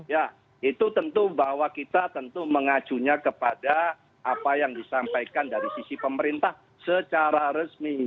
ya itu tentu bahwa kita tentu mengacunya kepada apa yang disampaikan dari sisi pemerintah secara resmi